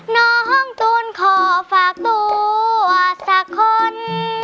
น้องตูนขอฝากตัวสักคน